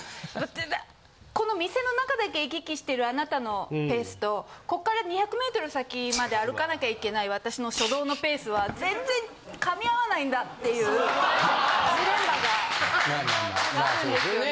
だこの店の中だけ行き来してるあなたのペースとこっから２００メートル先まで歩かなきゃいけない私の初動のペースは全然噛み合わないんだっていうジレンマがあるんですよね。